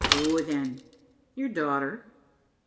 "Who, then?" "Your daughter!"